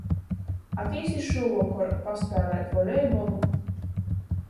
Atīsi šūvokor paspēlēt volejbolu?